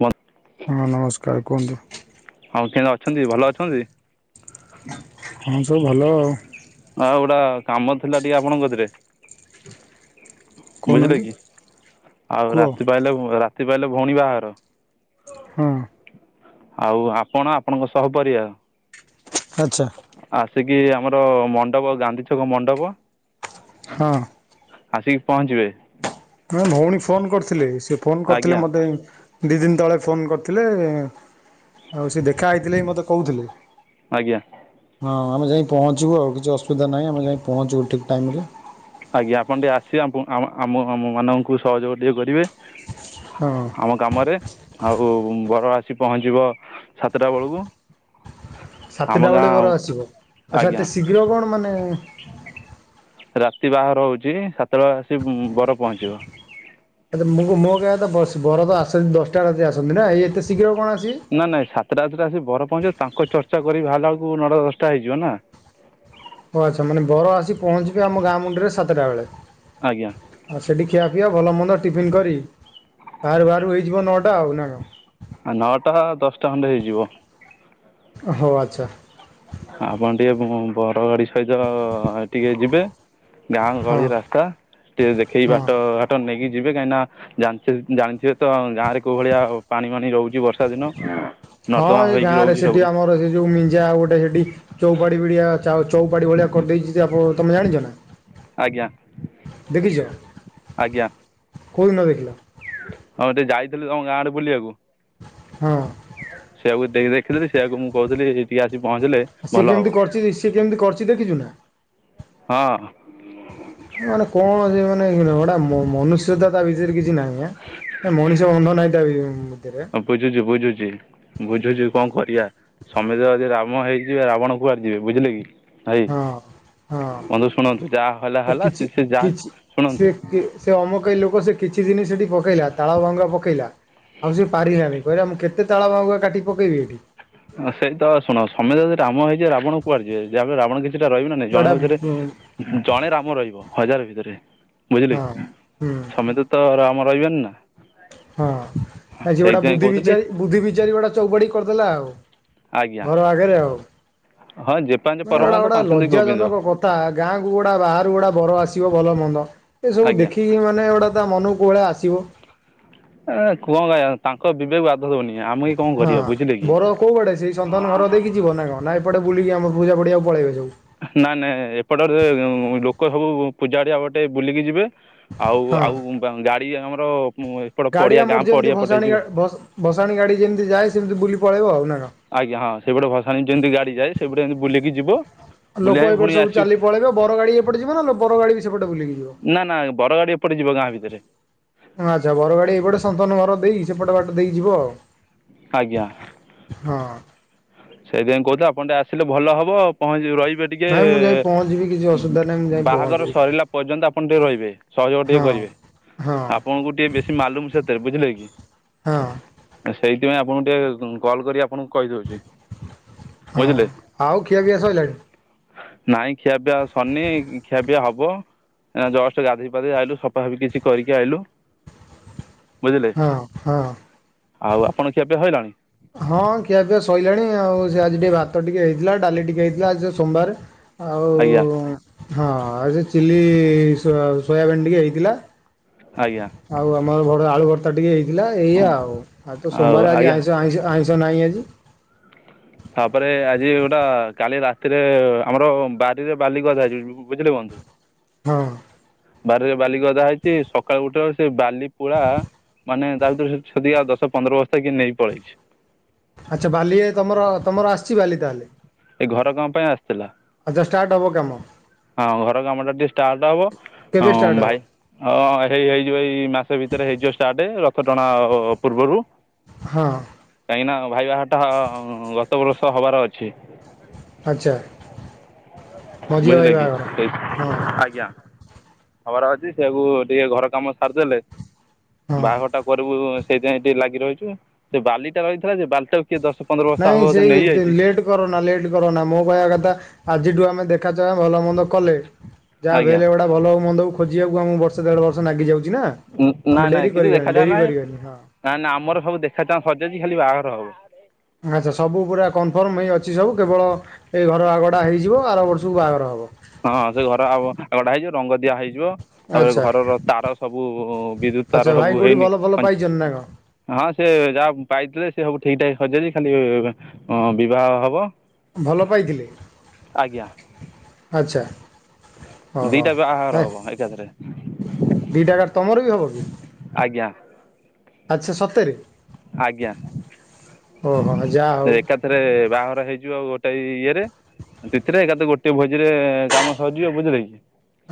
ମ। ହଁ ନମସ୍କାର କୁହନ୍ତୁ? ହଁ କେନ୍ତି ଅଛନ୍ତି ଭଲ ଅଛନ୍ତି? ହଁ ସବୁ ଭଲ ଆଉ। ଆଉ ଗୁଟା କାମ ଥିଲା ଟିକେ ଆପଣଙ୍କ କତିରେ। ବୁଝିଲେ କହୁନାହାନ୍ତି କି ଆଉ କୁହ ରାତି ପାଇଲେ ରାତି ପାଇଲେ ଭଉଣୀ ବାହାଘର। ହଁ। ଆଉ ଆପଣ ଆପଣଙ୍କ ସହ ପରିବାର ଆଚ୍ଛା। ଆସିକି ଆମର ମଣ୍ଡପ ଗାନ୍ଧିଛକ ମଣ୍ଡପ ହଁ। ଆସିକି ପହଞ୍ଚିବେ। ନା ଭଉଣୀ ଫୋନ କରିଥିଲେ, ସେ ଫୋନ କରିଥିଲେ ଆଜ୍ଞା ମତେ ଦିଇ ଦିନ ତଳେ ଫୋନ କରିଥିଲେ ଆଉ ସେ ଦେଖା ହେଇଥିଲେବି ବି ମତେ କହୁଥିଲେ। ଆଜ୍ଞା। ହଁ ଆମେ ଯାଇ ପହଞ୍ଚିବୁ ଆଉ କିଛି ଅସୁବିଧା ନାହିଁ ଆମେ ଯାଇ ପହଞ୍ଚିବୁ ଠିକ୍ ଟାଇମରେ। ଆଜ୍ଞା ଆପଣ ଟିକେ ଆସିିବେ ଆମ ଆମ ମାନଙ୍କୁ ସହଯୋଗ ଟିକେ କରିବେ। ହଁ। ଆମ କାମରେ ଆଉ ବର ଆସି ପହଞ୍ଚିବ ସାତଟା ବେଳକୁ। ଆମ ସାତେଟା ବେଳେ ବର ଗାଁ ଆସିବ, ଆଚ୍ଛା ଆଜ୍ଞା ଏତେ ଶୀଘ୍ର କଣ ମାନେ ରାତି ବାହାଘର ହଉଛି ସାତଟା ଆସିକି ବର ପହଞ୍ଚିବ। ଆଛା ମୁଁ ମୋ କହିବା କଥା ବସ୍ ବର ତ ଆସନ୍ତି ଦଶଟା ରାତିରେ ଆସନ୍ତି ନା ଏଇ ଏତେ ଶୀଘ୍ର କଣ ଆସିବେ? ନା ନାଁଇ ସାତଟା ଆଠଟା ଆସି ବର ପହଞ୍ଚିବ ତାଙ୍କ ଚର୍ଚ୍ଚା କରିକି ବାହାରିଲା ବେଳକୁ ନଅଟା ଦଶଟା ହେଇଯିବ ନା। ଓ ଆଚ୍ଛା ମାନେ ବର ଆସି ପହଞ୍ଚିବେ ଆମ ଗାଁ ମୁଣ୍ଡରେ ସାତଟା ବେଳେ। ଆଜ୍ଞା। ଆଉ ସେଠି ଖିଆପିଆ ଭଲ ମନ୍ଦ ଟିଫିନ୍ କରି ବାହାରୁ ବାହାରୁ ହେଇଯିବ ନଅଟା ଆଉ ନା କଣ? ନଅଟା ଦଶଟା ଖଣ୍ଡେ ହେଇଯିବ। ହଉ, ଆଚ୍ଛା। ଆପଣ ଟିକେ ବର ଗାଡି ସହିତ ଟିକେ ଯିବେ। ଗାଁ ହଁ ଗହଳି ରାସ୍ତା ଟିକେ ଦେଖେଇ ହଁ ବାଟ ଘାଟ ନେଇକି ଯିବେ କାହିଁକି ନା ଜାଣି ଜାଣିଥିବେ ତ ଗାଁରେ କୋଉ ଭଳିଆ ପାଣି ବାଣି ରହୁଛି ବର୍ଷା ଦିନ। ହଁ ନର୍ଦ୍ଦମା ଏଇ ହୋଇକି ଗାଁରେ ରହୁଛି ସବୁ ସେଠି ଆମର ସେ ଯୋଉ ମିଞ୍ଜା ଆଉ ଗୋଟେ ହେ ଡି ଚଉପାଡି ଭଳି ଚା ଚଉପାଡି ଭଳିଆ କରିଦେଇଛି ପା ତମେ ଜାଣିଛ ନା? ଆଜ୍ଞା ଦେଖିଛ ଆଜ୍ଞା। କେଉଁଦିନ ଦେଖିଲ ହଁ ଟିକେ ଯାଇଥିଲୁ ତମ ଗାଁ ଆଡ଼େ ବୁଲିବାକୁ। ହଁ। ସେଇଆ କୁ ଦେଇ ଦେଖିଥିଲେ ତ ସେଇଆ କୁ ମୁଁ କହୁଥିଲି ଟିକେ ଆସି ପହଞ୍ଚିଲେ ସିଏ ଭଲ ହେବ କେମତି କରିଚି ସିଏ କେମିତି କରିଚି ଦେଖିଛୁ ନା? ହଁ। ମାନେ କଣ ସେ ମାନେ ଗଟା ମନୁଷ୍ୟତା ତା ଭିତରେ କିଛି ନାହିଁ ଆ ମଣିଷ ଗନ୍ଧ ନାହିଁ ତା [unintelligible] ବୁଝୁଛି ବୁଝୁଛି। ବୁଝୁଛୁ କଣ କରିବା ସମେତେ ଯଦି ରାମ ହେଇଯିବେ ରାବଣ କୁଆଡ଼େ ଯିବେ ବୁଝିଲେ କି? ଭାଇ ହଁ ହଁ ବନ୍ଧୁ ଶୁଣନ୍ତୁ ଯାହା ହେଲା ତ ହେଲା କିଛି ସେ ଯା କିଛି ସେ ଶୁଣନ୍ତୁ ସେ ଅମକେଇ ଲୋକ ସେ କିଛି ଦିନି ସେଠି ପକେଇଲା ତାଳ ଭଙ୍ଗା ପକେଇଲା। ଆଉ ସେ ପାରିଲାନି କହିଲା ମୁଁ କେତେ ତାଳ ବାହୁଙ୍ଗା କାଟି ପକେଇବି ଏଠି। ହଁ ସେଇତ ଶୁଣ ସମେତେ ଯଦି ରାମ ହେଇଯିବେ ରାବଣ କୁଆଡ଼େ ଯିବେ ଯାହା ବି ରାବଣ କିଛି ଟା ରହିବେ ନା ନାଇଁ ଏଗୁଡା ଜଣଙ୍କ ଭିତରେ ଜଣେ ରାମ ରହିବ ହଜାର ଭିତରେ ବୁଝିଲେ ହଁ କି ହୁଁ ସମେତ ତ ରାମ ରହିବେନି ନା। ହଁ ଆଜି ଗୋଟା ସେଇଥିପାଇଁ ବୁଦ୍ଧି କହୁଥିଲି ବିଚାରୀ ବୁଦ୍ଧି ବିଚାରି ଗୋଟେ ଚଉପାଢ଼ୀ କରିଦେଲା ଆଉ ଆଜ୍ଞା ଘର ଆଗରେ ଆଉ ହଁ ଯେ ପାଞ୍ଚ ଏରେ ପରମହଂସ ଗୋଟେ ପାଞ୍ଚନ୍ତି ଲଜ୍ଜା ଗୋବିନ୍ଦ ଜନକ କଥା ଗାଁ କୁ ଗୁଡା ବାହାରୁ ଗୁଡା ବର ଆସିବ ଭଲ ମନ୍ଦ। ଏସବୁ ଆଜ୍ଞା ଦେଖିକି ମାନେ ଏଗୁଡା଼ ତା ମନକୁ କୋଉ ଭଳିଆ ଆସିବ। ଏ କଣ କହିବା ତାଙ୍କ ବିବେକୁ ବାଧା ଦଉନି ଆମେ କ'ଣ ହଁ କରିବା ବୁଝିଲେ କି ବର କୋଉ ଆଡ଼େ ସେଇ ସନ୍ତାନ ଘର ଦେଇକି ଯିବ ନା କଣ ନା ଏପଟେ ବୁଲିକି ଆମର ପୂଜା ପଡ଼ିଆ ଆଉ ପଳେଇବେ। ନା ନାଇଁ ଏପଟରେ ଲୋକ ସବୁ ପୂଜା [unintelligible] ପଟେ ବୁଲିକି ଯିବେ। ଆଉ ହଁ। ଆଉ ଗାଡି ଆମର ଏପଟ ଗାଡ଼ି ପଡ଼ିଆ ଗାଁ ଆମର ଯେମିତି ପଡ଼ିଆ ପଟେ ଭସାଣି ଯିବ ଗା ଭସାଣି ଗାଡ଼ି ଯେମିତି ଯାଏ ସେମିତି ବୁଲି ପଳେଇବ ଆଉ ନା କଣ? ଆଜ୍ଞା ହଁ ସେପଟେ ଭସାଣି ଯେମିତି ଗାଡ଼ି ଯାଏ ସେପଟେ ବୁଲିକି ଯିବ। ବୁଲି ଲୋକ ଆଣି ପୁଣି ଏପଟେ ସବୁ ଆସିବ ଚାଲି ପଳେଇବେ ବର ଗାଡ଼ି ଏପଟେ ଯିବ ନା ବର ଗାଡି ବି ସେପଟେ ବୁଲିକି ନା ନା ବର ଗାଡ଼ି ଏପଟେ ଯିବ ଗାଁ ଭିତରେ। ଆଚ୍ଛା ବରଗାଡି଼ ଏପଟେ ସନ୍ତନ ଘର ଦେଇ ସେପଟେ ବାଟ ଦେଇ ଯିବ ଆଉ। ଆଜ୍ଞା। ହଁ। ସେଇଥିପାଇଁ କହୁଥିଲେ ଆପଣ ଟେ ଆସିଲେ ଭଲ ହବ ପହଞ୍ଚି ରହିବେ। ଟିକେ ନାଇଁ ମୁଁ ଯାଇ ପହଞ୍ଚିବି କିଛି ଅସୁବିଧା ନାହିଁ ମୁଁ ଯାଇ ବାହାଘର ପହଞ୍ଚିବି ସରିଲା ପର୍ଯ୍ୟନ୍ତ ଆପଣ ଟିକେ ରହିବେ ସହଯୋଗ ଟିକେ ହଁ। କରିବେ। ହଁ ଆପଣଙ୍କୁ ଟିକେ ବେଶୀ ମାଲୁମ୍ ସେଥିରେ ବୁଝିଲେ କି? ହଁ। ସେଇଥିପାଇଁ ଆପଣଙ୍କୁ ଟିକି କଲ୍ କରି ଆପଣଙ୍କୁ କହିଦେଉଛି। ହଁ ବୁଝିଲେ ଆଉ ଖିଆ ପିଆ ସରିଲାଣି? ନାଇଁ ଖିଆ ପିଆ ସରିନି ଖିଆ ପିଆ ହବ। ନା ଜଷ୍ଟ୍ ଗାଧୋଇ ଫାଧେଇ ଆଇଲୁ ସଫା ସଫି କିଛି କରିକି ଆଇଲୁ। ହଁ ହଁ। ଆଉ ଆପଣ [unintelligible] ହଁ ଖିଆ ପିଆ ସଇଲାଣି ଆଉ ସେ ଆଜି ଟିଏ ଭାତ ଟିକେ ହେଇଥିଲା ଡାଲି ଟିକେ ହେଇଥିଲା ଆଜି ତ ସୋମବାରେ। ଆଉ ଆଜ୍ଞା ହଁ ଆଉ ସେ ଚିଲି ସୋ ସୋୟାବିନ୍ ଟିକେ ହେଇଥିଲା। ଆଜ୍ଞା। ଆଉ ଆମର ଭଡ ଆଳୁ ଭର୍ତ୍ତା ଟିକେ ହେଇଥିଲା ଏଇଆ ଆଉ ଆ ତ ଆଉ ସୋମବାର ଆଜି ଆଜ୍ଞା ଆଇଁ ଆଇଁଷ ଆଇଁଷ ନାଇଁ ଆଜି। ତାପରେ ଆଜି ଗୋଟା କାଲି ରାତିରେ ଆମର ବାରିରେ ବାଲି ଗଦା ହେଇଚି କୁ ବୁଝିଲେ ବନ୍ଧୁ? ହଁ। ବାରିରେ ବାଲି ଗଦା ହେଇଚି ସକାଳୁ ଉଠିଲା ଅଳୁ ସେ ବାଲି ପୁଳା ମାନେ ତା ଭିତରୁ ସେ ଛତି ଆ ଦଶ ପନ୍ଦର ବସ୍ତା କିଏ ନେଇ ପଳେଇଚି। ଆଚ୍ଛା ବାଲି ଏ ତମର ତମର ଆସଚି ବାଲି ତାହେଲେ। ଏ ଘର କାମ ପାଇଁ ଆସଥିଲା। ଆଚ୍ଛା ଷ୍ଟାର୍ଟ ହେବ କାମ? ହଁ ଘର କାମଟା ଟିକେ ଷ୍ଟାଟ ହବ କେବେ ଅଁ ଷ୍ଟାର୍ଟ ହେବ ଭାଇ ଅ ହେଇ ହେଇଯିବ ଏଇ ମାସେ ଭିତରେ ହେଇଯିବ ଷ୍ଟାର୍ଟେ ରଥ ଟଣା ପୂର୍ବରୁ। ହଁ। କାହିଁକି ନା ଭାଇ ବାହାଘରଟା ଗତ ବର୍ଷ ହବାର ଅଛି। ଆଚ୍ଛା। ମଝିଆ ଭାଇ ବୁଝିଲେ କି ବାହାଘର। ଏଇ ହଁ ଆଜ୍ଞା? ହବାର ଅଛି ସେଇଆକୁ ଟିକେ ଘର କାମ ସାରିଦେଲେ ହଁ। ବାହାଘରଟା ବରଉ ସେଇଥିପାଇଁ ଟିଏ ଲାଗି ରହିଚୁ ଯେ ବାଲିଟା ରହିଥିଲା ଯେ ବାଲିଟାକୁ କିଏ ଦଶ ପନ୍ଦର ବସ୍ତା ନାଇଁ ହେବ ବୋଧେ ସେଇ ଦେ ନେଇଯାଇଛି ଲେଟ୍ କରନା ଲେଟ କରନା ମୋ କହିବା କଥା ଆଜିଠୁ ଆମେ ଦେଖା ଚାହାଁ ଭଲ ମନ୍ଦ କଲେ ଯାହା ବି ଆଜ୍ଞା ହେଲେ ଗୋଟା ଭଲ ହୋଉ ମନ୍ଦ ହୋଉ ଖୋଜିବାକୁ ଆମୁ ବର୍ ଷ ଦେଢ଼ ବର୍ଷ ନାଗି ଯାଉଚି ନା। ଆମେ ଡେରି କରିବାନି ଡେରି କରିବାନି ହଁ। ନାଁ ନାଁ ଆମର ସବୁ ଦେଖା ଚାହାଁ ସରି ଯାଇଚି ଖାଲି ବାହାଘର ହବ। ଆଚ୍ଛା ସବୁ ପୁରା କନଫର୍ମ ହେଇ ଅଛି ସବୁ କେବଳ ଏଇ ଘର ଆଗଟା ହେଇଯିବ। ଆର ବର୍ଷୁକୁ ବାହାଘର ହବ। ହଁ ସେ ଘର ଆଅ ଆଗଟା ହେଇଯିବ ରଙ୍ଗ ଦିଆ ହେଇଯିବ। ତାପରେ ଆଚ୍ଛା ଘରର ତାର ସବୁ ବିଦ୍ୟୁତ ଆଚ୍ଛା ତାର ଭାଇ ସବୁ କୋଉଠି ହେଇନି ଭଲ ଭଲ ପାଁ ପାଇଛନ୍ତି ନା କଣ ହଁ ସେ ଯାହା ପାଇଥିଲେ ସେ ସବୁ ଠିକ ଠାକ୍ ସରଯାଇଚି ଖାଲି ଅଁ ବିବାହ ହବ। ଭଲ ପାଇଥିଲେ? ଆଚ୍ଛା ଅହ ଦୁଇଟା ବାହାଘର ଏ ହେବ ଏକାଥରେ ଦିଟା କାର ତମର ବି ହବ କି? ଆଜ୍ଞା। ଆଚ୍ଛା ସତେରେ? ଆଜ୍ଞା ଓହୋ ଯାହା ହଉ ଏକା ଥେରେ ବାହାଘର ହେଇଯିବ ଆଉ ଗୋଟେ ଇଏରେ। ତିଥିରେ ଏକା ତ ଗୋଟିଏ ଭୋଜିରେ କାମ ସରିଯିବ ବୁଝିଲେ କି?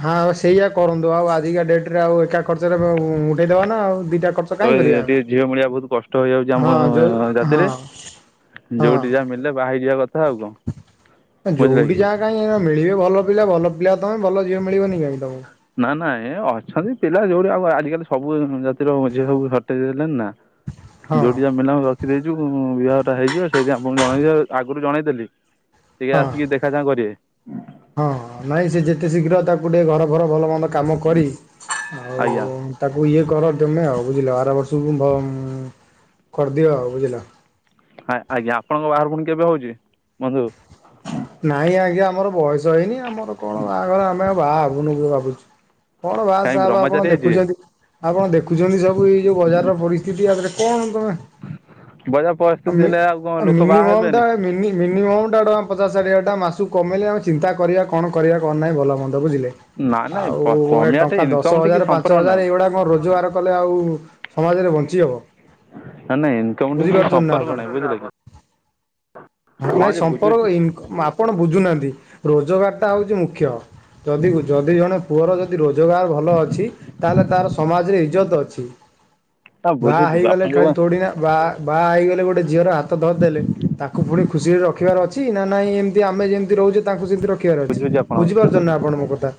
ହଁ ଆଉ ସେଇଆ କରନ୍ତୁ ଆଉ ଆଜିକା ଡେଟରେ ଆଉ ଏକା ଖର୍ଚ୍ଚରେ ବ ଉଠେଇଦବା ନାଁ ଆଉ ଦିଟା ଖର୍ଚ୍ଚ। ତ କାହିଁ କରିବା ଆମେ। ଟିକେ ଝିଅ ମିଳିଆ ବୋହୁତ କଷ୍ଟ ହେଇଯାଉଚି ଆମ ହଁ ଯୋଉ ହଁ ଜାତିରେ। ଯୋଉଠି ହଁ ଯାହା ମିଲେ ବାହା ଯିବା କଥା ଆଉ କଁ। ଯୋଉଠି ଯାହା କାଇଁ ଏରା ମିଳିବେ ଭଲ ପିଲା ଭଲ ପିଲା ତମେ ଭଲ ଝିଅ ମିଳିବନି କାଇଁ ତମକୁ? ନାଁ ନାଁ ଏ ଅଛନ୍ତି ପିଲା ଯୋଉଠି ଆଉ ଆଜିକାଲି ସବୁ ଜାତିର ଝିଅ ସବୁ ସଟେଜ୍ ହେଲେଣି ନାଁ। ହଁ ଯୋଉଠି ଯାହା ମିଲଲା ଆମ ରଖିଦେଇଚୁ ବିଭାଘରଟା ହେଇଯିବ ସେଇତି ଆପୁ ଜଣେଇ ଦିଅ ଆଗୁରୁ ଜଣେଇ ଦେଲି। ଟିକେ ହଁ ଆସିକି ଦେଖାଚାହଁ କରିଏ। ହଁ, ନାଇଁ ସେ ଯେତେ ଶୀଘ୍ର ତାକୁ ଟିକେ ଘର ଫର ଭଲ ମନ୍ଦ କାମ କରି, ଆଜ୍ଞା ଆଉ-ଉଁ ତାକୁ ଇଏ କର ତେମେ ଆଉ, ବୁଝିଲ! ଆର ବର୍ଷକୁ ଭମ୍ କରିଦିଅ ଆଉ। ବୁଝିଲ! ହଁ, ଆଜ୍ଞା ଆପଣଙ୍କ ବାହାର ପୁଣି କେବେ ହଉଛି ବନ୍ଧୁ? ନାଇଁ ଆଜ୍ଞା, ଆମର ବୟସ ହେଇନି। ଆମର କଣ ବାହାଘର ଆମେ ବାହା ହବୁନୁ ବ ଭାବୁଛୁ! କଣ ବାହା କାହିଁ ସାହାବ୍ ଆପଣ ବ୍ରହ୍ମଚାରୀ ହେଇଯିବେ ଦେଖୁଛନ୍ତି! ଆପଣ ଦେଖୁଛନ୍ତି ସବୁ ଏଇ ଯୋଉ ବଜାର ର ପରିସ୍ଥିତି ଆଧେରେ କଣ ତମେ? ବଜାର ପରିସ୍ଥିତି ଆମେ ହେଲେ, ଆଉ କଣ ଲୋକ ବାହା ମିନିମମ୍ ଟା ହେବେନି? ମିନି ମିନିମୋମ୍ ଟା ଟଙ୍କା ପଚ୍ ଚାଶ୍ ଷାଠିଏ ହଟା ମାସକୁ କମେଇଲେ, ଆମେ ଚିନ୍ତା କରିବା କଣ କରିବା କଣ ନାହିଁ ଭଲ ମନ୍ଦ ବୁଝିଲେ? ନା ନାଇଁ ଆଉ-ଉ ଏ କମିଆଟେ ଟଙ୍କା ଦଶ ଇନକମ୍ ଟିକି ହଜାର ପାଞ୍ଚ ସମ୍ପର୍କ ହଜାର ନାହିଁ ଏଇଗୁଡା ରୋଜଗାର କଲେ ଆଉ, ସମାଜରେ ବଞ୍ଚି ହବ। ନା ନାଇଁ ଇନକମ୍ ଟିକି ସମ୍ପର୍କ ଆପଣ? ନାହିଁ ବୁଝିଲେ କି! ହଁ, ନାଇଁ ଯେ ବୁଝୁଛି ସମ୍ପର୍କ ଇନ୍ କମ୍ ଆପଣ ବୁଝୁନାହାଁନ୍ତି, ରୋଜଗାରଟା ହଉଚି ମୁଖ୍ୟ। ଯଦି ଯଦି ଜଣେ ପୁଅର ଯଦି ରୋଜଗାର ଭଲ ଅଛି! ତାହେଲେ ତାର ସମାଜରେ ଇଜ୍ଜତ ଅଛି। ହଁ ବାହା ବୁଝୁଛି ଆପଣ ହେଇଗଲେ ଯୋଉ ଖାଲି ଥୋଡିନା ବା ବାଆ ହେଇଗଲେ ଗୋଟେ ଝିଅର ହାତ ଧରିଦେଲେ ଙ୍କୁ ଫୁଣି ଖୁସିରେ ରଖିବାର ଅଛି। ନା ନାଇଁ! ଏମିତି ଆମେ ଯେମିତି ରହୁଛେ ତାଙ୍କୁ ସେମିତି ରଖ୍ ଖିଆର ଅଛି। ବୁଝୁଛି ଆପଣଙ୍କ ବୁଝିପାରୁଛନି ନା ଆପଣଙ୍କ କଥା?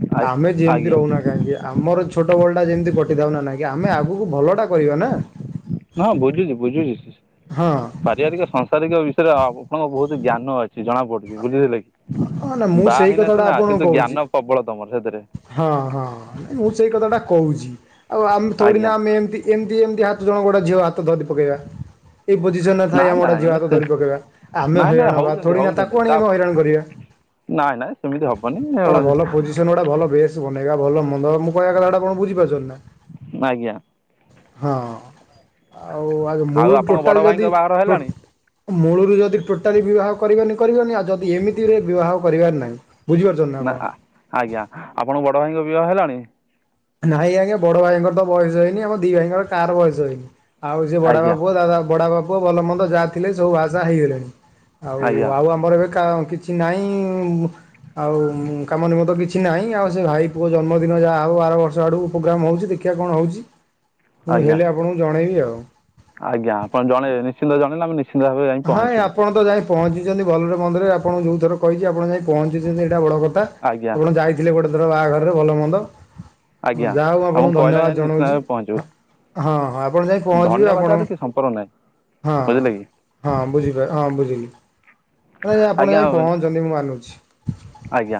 କଥା ଆମେ ଯେମିତି ଆଜ୍ଞା ରହୁନା କାହିଁକି। ଆମର ଛୋଟ ବଳଟା ଯେମିତି କଟିଥାଉନା ନାଇଁକି। ଆମେ ଆଗକୁ ଭଲଟା କରିବା ନା! ହଁ, ବୁଝୁଛି ବୁଝୁଛି। ହଁ। ପାରିବାରିକ ସଂସାରିକ ବିଷୟରେ ଅ ଆପଣଙ୍କ ବହୁତ ଜ୍ଞାନ ଅଛି। ସେ ଜଣାପଡୁଚି! ବୁଝିଲେ କି, ହଁ ନା ମୁଁ ବା ସେଇ ହେଇନା କଥାଟା ସିନା ଆପଣଙ୍କୁ କିନ୍ତୁ, କହୁଛି। ଜ୍ଞାନ ପ୍ରବଳ ତମର ସେଥିରେ। ହଁ, ହଁ ନାଇଁ ମୁଁ ସେଇ କଥାଟା କହୁଛି। ଆଉ ଆମେ ଆଜ୍ଞା ଥୋଡିନା ଆମେ ଏମତି ଏମିତି ଏମିତି ହାତ ଜଣ ଗୋଡେ ଝିଅ ହାତ ଧରି ପକେଇବା। ଏଇ ପୋଜିସନ୍ ରେ ଥାଇ ନାଇଁ ଆମେ ଗୋଟେ ଝିଅ ନାଇଁ ହାତ ସେ ଧରି ପକେଇବା। ଆମେ ହଇରାଣ ହବା, ଥୋଡି ନା ତା ତପ୍ ନାଇଁ ନାଇଁ ସେମିତି ହବନି ଆଉ। [unintelligible] ଟା ଭଲ ବେଶ ବନେଇବା ଭଲ ମନ୍ଦ ମୁଁ କହିବା କଥାଟା ଆପଣ ବୁଝିପାରୁଛନ୍ ନା? ଆଜ୍ଞା। ହଁ, ଆଉ ଆଗ ମୁଁ ଆଉ ଆପଣଙ୍କ ବଡ଼ ଟୋଟାଲ୍ ଭାଇଙ୍କ ଯଦି ବାହାଘର ଟୋଟ୍ ହେଲାଣି ମୂଳରୁ ଯଦି ଟୋଟାଲି ବିବାହ କରିବନି କରିବନି, ଆଉ ଯଦି ଏମିତିରେ ବିବାହ କରିବାର ନାହିଁ। ବୁଝିପାରୁଛନ୍ତି ନା, ଆପଣ? ଆଜ୍ଞା। ଆପଣଙ୍କ ବଡ ଭାଇଙ୍କ ବିବାହ ହେଲାଣି? ନାଇଁ ଆଜ୍ଞା, ବଡ଼ ଭାଇଙ୍କର ତ ବୟସ ହେଇନି। ଆମ ଦି ଭାଇଙ୍କର କାହାର ବୟସ ହେଇନି। ଆଉ ସିଏ ବଡ଼ ଆଜ୍ଞା ବାପୁଅ, ଦାଦା, ବଡା ବାପୁଅ, ଭଲ ମନ୍ଦ ଯାହା ଥିଲେ ସବୁ ବାହାସା ହେଇଗଲେଣି। ଆଉ ଆଜ୍ଞା ଆଉ ଆମର ଏବେ କା କିଛି ନାହିଁ-ଉଁବ୍ ଆଉ କାମ ନିମନ୍ତ କିଛି ନାହିଁ, ଆଉ ସେ ଭାଇ ପୁଅ ଜନ୍ମଦିନ ଯାହା ହଉ ବାରବର୍ ଛ ଆଡ଼କୁ ପ୍ରୋଗ୍ରାମ୍ ହଉଛି, ଦେଖିବା କଣ ହଉଛି? ମୁଁ ଆଜ୍ଞା ହେଲେ ଆପଣଙ୍କୁ ଜଣେଇବି ଆଉ? ଆଜ୍ଞା, ଆପଣ ଜଣେଇବେ! ନିଶ୍ଚିନ୍ତ ଜଣେଇଲେ ଆମେ ନିଶ୍ ହଁ, ଏଇ ଆପଣ ତ ଯାଇ ପହଞ୍ଚିଚନ୍ତି, ଭଲରେ ମନ୍ଦରେ ଆପଣ ଯୋଉ ଥର କହିଛି ଆପଣ ଯାଇ ପହଞ୍ଚିଛନ୍ତି ଏଇଟା ବଡ଼ କଥା। ଆଜ୍ଞା ଆପଣ ଯାଇ ଥିଲେ, ଗୋଟେ ଥର ବାହାଘରରେ ଭଲ ମନ୍ଦ। ଆଜ୍ଞା ଯାହା ହଉ ଆମକୁ ଆପଣଙ୍କୁ କହିଲେ ଧନ୍ୟବାଦ ଯାଇ ନିଶ୍ଚିନ୍ତ ଜଣଉଛି। ଭାବେ ପହଞ୍ଚିବୁ ହଁ ହଁ, ହଁ, ଆପଣ ଯାଇ ପହଞ୍ଚିବେ। ଧନ୍ୟବାଦ ଆପଣ, ଆରେ କିଛି ସମ୍ପର୍କ ନାହିଁ ହଁ। ବୁଝିଲେ କି ହଁ, ବୁଝିପା ହଁ ବୁଝିଲି। ନାଇଁ ଆପଣ ଆଜ୍ଞା ଯାଇ ପହଞ୍ଚଚନ୍ତି, ମୁଁ ମାନୁଛି। ଆଜ୍ଞା,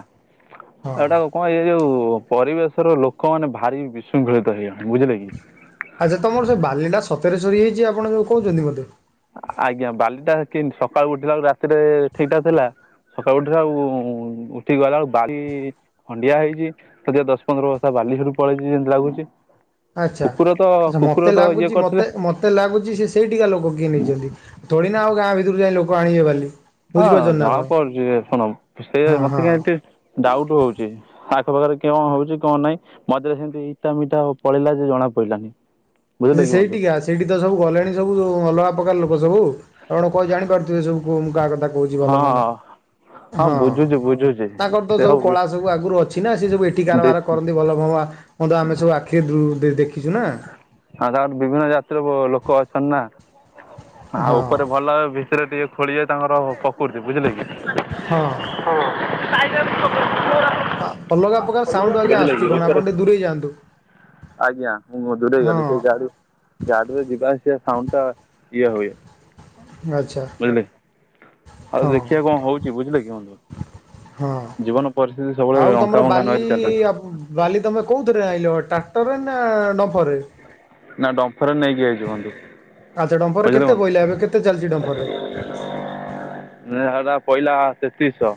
ହଁ ଏଟାକୁ କଣ ଏଇ ଯୋଉ ପରିବେଶର ଲୋକମାନେେ ଭାରି ବିଶୃଙ୍ଖଳିତ ହେଇଗଲେଣି ବୁଝିଲେ କି। ଆଚ୍ଛା ତମର ସେ ବାଲିଟା ସତରେ ସରି ହେଇଛି ଆପଣ ଯୋଉ କହୁଛନ୍ତି ମୋତେ? ଆଜ୍ଞା ବାଲିଟା କେତି ସକାଳୁ ଉଠିଲା ବେଳକୁ ରାତିରେ ଠିକ୍ ଠାକ୍ ଥିଲା। ସକାଳୁ ଉଠି ଆଉ ଉଠିକି ଗଲା ବେଳକୁ ବାଲି ଖଣ୍ଡିଆ ହେଇଛି ସଧା ଦଶ ପନ୍ଦର ବସ୍ତା ବାଲି‌ ସେଇଠୁ ପଳେଇଛି ଯେମିତି ଲାଗୁଛି। ଆଚ୍ଛା କୁକୁର ତ କୁକୁର ତ ଇଏ କରିଥିଲେ। ମତେ ଲାଗୁଛି ସେ ସେଇ ଟିକା ଲୋକ କିଏ ନେଇଛନ୍ତି। ତୋଳି ନା ଆଉ ଗାଁ ଭିତରୁକୁ ଯାଇ ଲୋକ ଆଣିବେ ବାଲି। ହଁ ବୁଝିପାରୁଛନ୍ତି ନା ଜଣା ଆପଣ ପଡ଼ୁଛି ଶୁଣ ସେ ହଁ ମତେ ହଁ କାହିଁ ଟିକେ ଡା଼ଉଟ୍ ହଉଛି। ଆଖ ପାାଖରେ କିଅଣ ହଉଛି କଣ ନାହିଁ? ମଝିରେ ସେମିତି ଇଟା ମିଟା ପଳେଇଲା ଯେ ଜଣା ପଡି଼ଲାନି। ଯି ସେଇଠିକି ଆସ ସେଇଠି ତ ସବୁ ଗଲେଣି ସବୁ ଅଲଗା ପ୍ରକାର ଲୋକ ସବୁ। ଆପଣ କଣ ଜାଣିପାରୁଥିବେ ସବୁ କାହା କଥା। କଉଚି ହଁ ଭଲ ମନ୍ଦ। ହଁ ବୁଝୁଛିୁ ବୁ ତାଙ୍କର ତ ସବୁ କଳା ସବୁ ଆଗରୁ ଅଛି ନା ସିଏ ସବୁ ଏଠି କାରବାର ତାଙ୍କର କରନ୍ତି ଭଲ ଭ ହ ଆମେ ସବୁ ଆ କେଏ ଦ ଦେଖିଛୁ ନା। ହଁ ତାଙ୍କର ବିଭିନ୍ନ ଜାତିର ଲୋକ ଅଛନ୍ତି ନା। ଆଉ ହଁ ଉପରେ ଭଲ ଭିତରେ ଟିକେ ଖୋଳିବେ ତାଙ୍କର ପକ୍ରୁତି ବୁଝିଲେ କି? ହଁ। ହଁ ଟାଇଗର। ଅଲଗା ପ୍ରକାର ସାଉଣ୍ଡ ଆଜ୍ଞା ଆସୁଛି କଣ ଉପରେ ଆପଣ ଟିକେ ଦୂରେଇ ଯାଆନ୍ତୁ। ଆଜ୍ଞା ମୁଁ ଦୂରେଇ ହଁ ଗଲି ସେଇ ଗାଡି଼ ଗାଡି଼ରେ ଯିବା ଆସିବା ସାଉଣ୍ଡଟା ଇଏ ହୁଏ। ଆଚ୍ଛା। ବୁଝିଲେ ଆଉ ହଁ ଦେଖିବା କଣ ହଉଛି ବୁଝିଲେ କି ବନ୍ଧୁ? ହଁ ଜୀବନ ପରିସ୍ଥିତି ଆଉ ସବୁବେଳେ ତମର ଅଙ୍କା‌ ବଙ୍କା ବାଲି ନଈରେ ଚାଲିୁଛି। ବାଲି ତମେ କୋଉଥିରେ ଆଇଁଲ ଟ୍ରାକ୍ଟର ରେ ନା ଡମ୍ପର୍ରେ? ନା ଡମ୍ଫରରେ ନେଇକି ଆଇଲି ବନ୍ଧୁ। ଆଚ୍ଛା ଡମ୍ଫର ବୁଝିଲେ କେତେ ବହିଲ ଏବେ କେତେ ଚାଲିଛି ଡମ୍ଫର ରେଟ୍? ଟା ପହିଲା ତେତିଶ।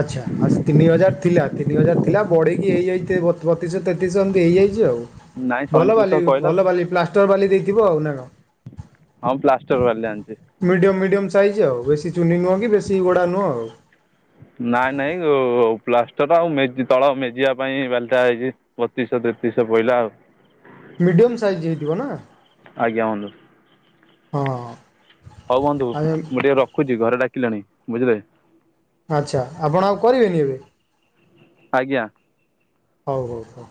ଆଚ୍ଛା। ଆ ତିନି ହଜାର ଥିଲା ତିନି ହଜାର ଥିଲା ବଢ଼େଇକି ହେଇଯାଇଛି ବତିଶହ ତେତିଶ ଏମିତି ହେଇଯାଇଛି ଆଉ। ନାଇଁ ଭଲ ସଇଁତିରିଶଶହ ବାଲି କହିଲା ଭଲ ବାଲି ପ୍ଲାଷ୍ଟର୍ ବାଲି ଦେଇଥିବ ଆଉ ନା କଣ? ହଁ ପ୍ଲାଷ୍ଟର ବାଲି ଆଣିଛି। ମିଡି଼ୟମ ମିଡି଼ୟମ୍ ସାଇଜ୍ ଆଉ ବେଶି ଚୁନି ନୁହଁ କି ବେଶି ଗୋଡ଼ା ନୁହଁ ଆଉ। ନାଇଁ ନାଇଁ ପ୍ଲାଷ୍ଟର ଆଉ ମେ ତଳ ମେଜିବା ପାଇଁ ବାଲିଟା ଆଇଛି। ବତିଶ ତେତିଶ ପହିଲା ଆଉ। ମିଡି଼ୟମ୍ ସାଇଜ୍ ହେଇଥିବ ନା? ଆଜ୍ଞା ବନ୍ଧୁ ହଁ। ହଉ ବନ୍ଧୁ ମୁଁ ଟିକେ ରଖୁଛି ଘରେ ଡା଼କିଲେଣି ବୁଝିଲେକି। ଆଚ୍ଛା ଆପଣ ଆଉ କରିବେନି ଏବେ? ଆଜ୍ଞା। ହଉ ହଉ ହଉ।